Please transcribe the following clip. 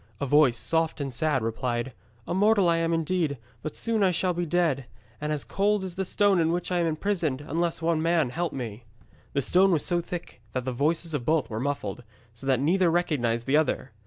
A voice, soft and sad, replied, 'A mortal I am indeed, but soon shall I be dead, and as cold as the stone in which I am imprisoned, unless one man help me.' The stone was so thick that the voices of both were muffled, so that neither recognised the other.